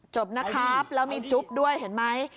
จบนะครับแล้วมีจุ๊บด้วยเห็นไหม